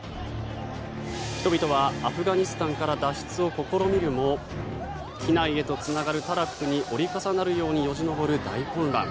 人々はアフガニスタンから脱出を試みるも機内へとつながるタラップに折り重なるようによじ登る大混乱。